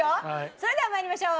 それでは参りましょう。